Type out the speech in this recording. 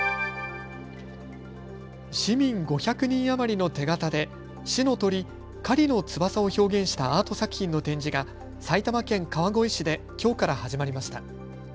市民５００人余りの手形で市の鳥、かりの翼を表現したアート作品の展示が埼玉県川越市できょうから始まりました。